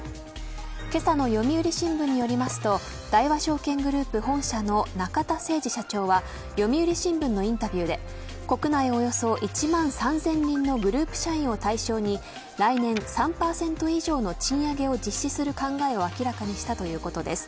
けさの読売新聞によりますと大和証券グループ本社の中田誠司社長は読売新聞のインタビューで国内およそ１万３０００人のグループ社員を対象に来年、３％以上の賃上げを実施する考えを明らかにしたということです。